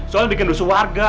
soalnya bikin rusuh warga